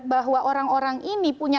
bahwa orang orang ini punya